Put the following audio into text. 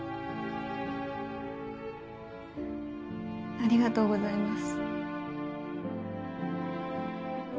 ありがとうございます。